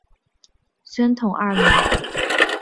宣统二年。